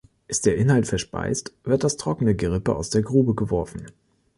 Ist der Inhalt verspeist, wird das trockene Gerippe aus der Grube geworfen.